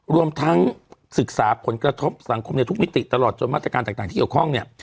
รวมทั้งศึกษาผลกระทบสังคมในทุกมิติตลอดจนมาตรการต่างที่เกี่ยวข้องเนี่ย